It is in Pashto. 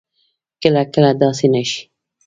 کله کله داسې نه شي